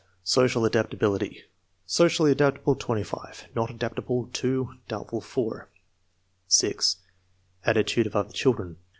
Social adaptability. Socially adaptable, 25; not adaptable, 2; doubtful, 4. 0. Attitude of other children.